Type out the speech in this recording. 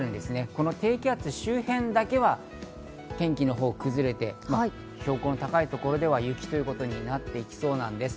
この低気圧周辺だけは天気のほう崩れて、標高の高い所では雪ということになっていきそうなんです。